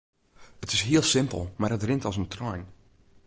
It is hiel simpel mar it rint as in trein.